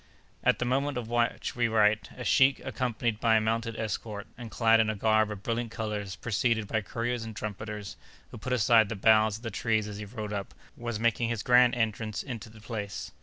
At the moment of which we write, a sheik, accompanied by a mounted escort, and clad in a garb of brilliant colors, preceded by couriers and trumpeters, who put aside the boughs of the trees as he rode up, was making his grand entry into the place.